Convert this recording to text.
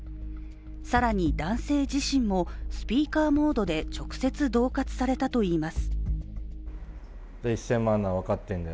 更に男子自身もスピーカーモードで直接どう喝されたといいます。